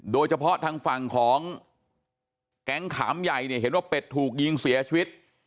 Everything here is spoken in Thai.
โดยเฉพาะทางฝั่งของแก๊งขามใหญ่เนี่ยเห็นว่าเป็ดถูกยิงเสียชีวิต